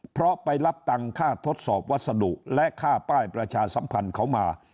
เพราะไปรับตังค่าทดสอบวัสดุและค่าป้ายประชาสัมพันธ์เขามา